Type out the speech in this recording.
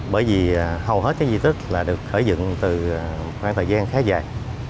bởi vì hầu hết các di tích là được khởi dựng từ khoảng thời gian khá dài